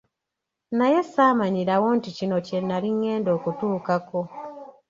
Naye saamanyirawo nti kino kye nnali ngenda okutuukako.